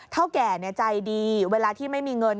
แก่ใจดีเวลาที่ไม่มีเงิน